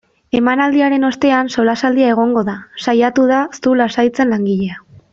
Emanaldiaren ostean solasaldia egongo da, saiatu da zu lasaitzen langilea.